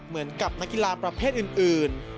เหมือนกับนักกีฬาประเภทอื่น